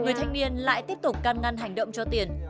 người thanh niên lại tiếp tục can ngăn hành động cho tiền